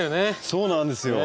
そうなんですよ。